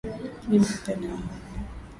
Mimi napenda amani